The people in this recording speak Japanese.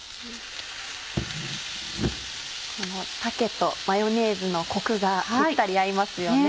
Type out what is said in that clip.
この鮭とマヨネーズのコクがぴったり合いますよね。